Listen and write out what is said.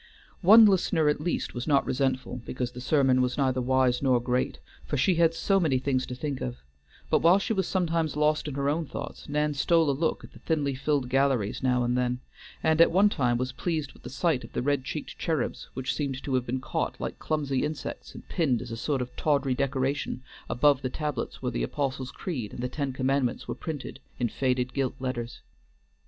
One listener at least was not resentful because the sermon was neither wise nor great, for she had so many things to think of; but while she was sometimes lost in her own thoughts, Nan stole a look at the thinly filled galleries now and then, and at one time was pleased with the sight of the red cheeked cherubs which seemed to have been caught like clumsy insects and pinned as a sort of tawdry decoration above the tablets where the Apostle's Creed and the Ten Commandments were printed in faded gilt letters.